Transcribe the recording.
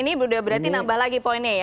ini berarti nambah lagi poinnya ya